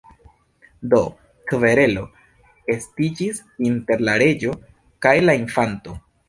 Do, kverelo estiĝis inter la reĝo kaj la Infanto.